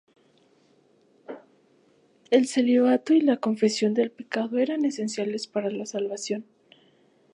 El celibato y la confesión del pecado eran esenciales para la salvación.